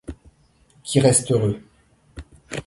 Qui reste heureux.